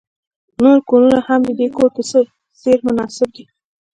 نور کورونه هم د دې کور په څیر مناسب دي